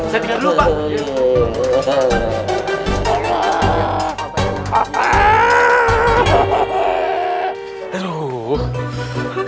hei sebelah sebelah saya tidur dulu pak